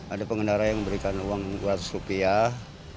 ada pengendara yang memberikan uang dua ratus rupiah